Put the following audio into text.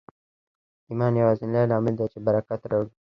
ایمان یوازېنی لامل دی چې برکت راوړي